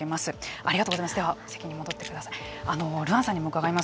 ありがとうございます。